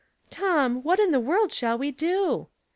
" Tom, what in the world shall we do?